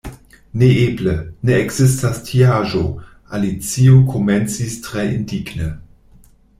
"Neeble, ne ekzistas tiaĵo," Alicio komencis tre indigne.